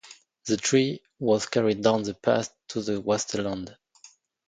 The tree was carried down the path to the wasteland.